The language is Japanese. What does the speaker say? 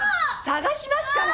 捜しますから。